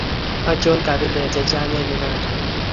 Achon kabilet che chang en uganda